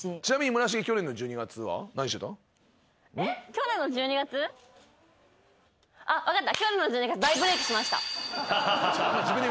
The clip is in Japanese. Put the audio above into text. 去年の１２月？あっ分かった。